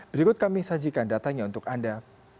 berikut kami sajikan datanya untuk anda